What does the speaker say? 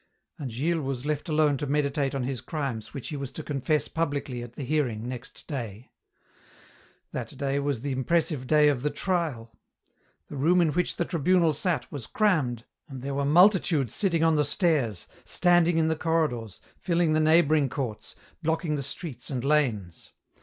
And Gilles was left alone to meditate on his crimes which he was to confess publicly at the hearing next day. That day was the impressive day of the trial. The room in which the Tribunal sat was crammed, and there were multitudes sitting on the stairs, standing in the corridors, filling the neighbouring courts, blocking the streets and lanes.